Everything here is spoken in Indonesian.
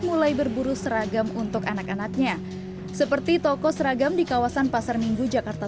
mulai berburu seragam untuk anak anaknya seperti toko seragam di kawasan pasar minggu jakarta